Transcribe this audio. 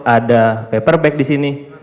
ada paperback disini